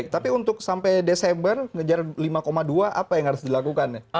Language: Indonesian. tapi untuk sampai desember ngejar lima dua apa yang harus dilakukan